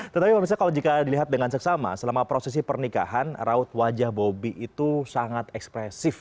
tetapi pemirsa kalau jika dilihat dengan seksama selama prosesi pernikahan raut wajah bobi itu sangat ekspresif